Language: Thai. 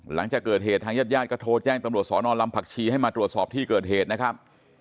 หลังจากเกิดเหตุทางญาติญาติก็โทรแจ้งตำรวจสอนอนลำผักชีให้มาตรวจสอบที่เกิดเหตุนะครับ